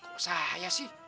kok saya sih